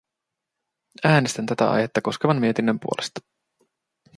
Äänestän tätä aihetta koskevan mietinnön puolesta.